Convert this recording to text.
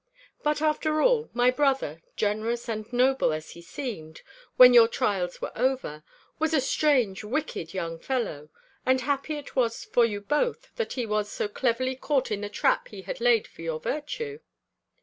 But after all, my brother, generous and noble as he seemed, when your trials were over, was a strange wicked young fellow; and happy it was for you both, that he was so cleverly caught in the trap he had laid for your virtue.